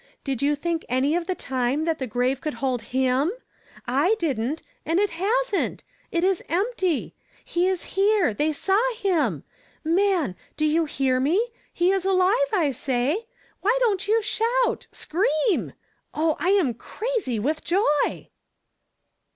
'' Did you think any of the time that the gmve couhl liohl him'/ I didn't; and'it liasn't! It is empty ! He is here I they saw liim ! Man ! Do you hear me ? he is alive, I say I Why don't you shout? scream ! Oh, I am crazy with joy